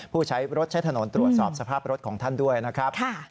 ผู้ใช้รถใช้ถนนตรวจสอบสภาพรถของท่านด้วยนะครับ